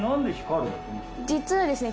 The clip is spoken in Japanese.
実はですね